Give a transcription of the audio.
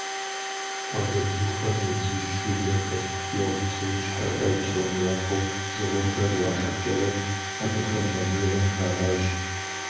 Къуалэбзухэм удзыжь жылэхэр, егъу псэущхьэхэр, псом япэу дзыгъуэхэр яшхкӀэрэ, абыхэм я бжыгъэм хагъэщӀ.